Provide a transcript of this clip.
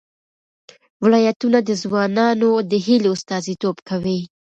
ولایتونه د ځوانانو د هیلو استازیتوب کوي.